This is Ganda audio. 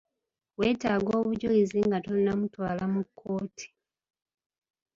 Wetaaga obujulizi nga tonnamutwala mu kkooti.